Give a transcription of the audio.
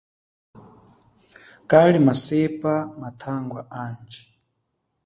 Kali masepa mathangwa handji.